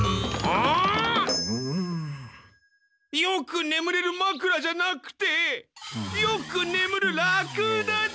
よくねむれるマクラじゃなくてよくねむるラクダだ！